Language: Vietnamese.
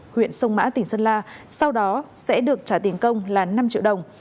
huyện sông mã tỉnh sơn la sau đó sẽ được trả tiền công là năm triệu đồng